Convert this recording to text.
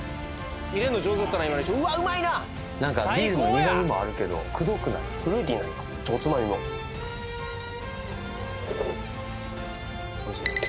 入れんの上手やったな今の人うわうまいななんかビールの苦みもあるけどくどくないフルーティーなじゃあおつまみもおいしい？